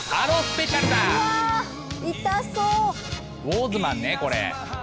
ウォーズマンねこれ。